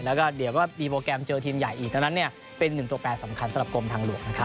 แล้วก็เดี๋ยวก็มีโปรแกรมเจอทีมใหญ่อีกดังนั้นเป็นหนึ่งตัวแปรสำคัญสำหรับกรมทางหลวงนะครับ